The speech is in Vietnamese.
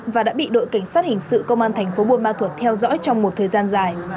và đã bị đội cảnh sát hình sự công an thành phố buôn ma thuật theo dõi trong một thời gian dài